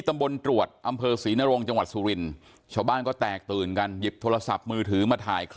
ตุ๊กตุ๊กตุ๊กตุ๊กตุ๊กตุ๊กตุ๊กตุ๊กตุ๊กตุ๊กตุ๊กตุ๊ก